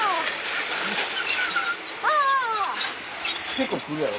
結構来るやろ？